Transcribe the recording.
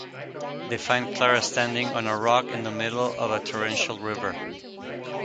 They find Clara standing on a rock in the middle of a torrential river.